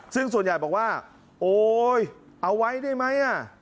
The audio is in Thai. ซึ่งส่วนใหญ่บอกว่าโอ๊ยเอาไว้ได้ไหม